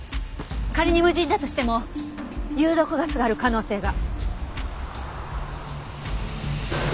仮に無人だとしても有毒ガスがある可能性が。